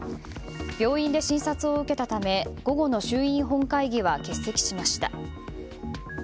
病院で診察を受けたため午後の衆議院本会議は欠席しました。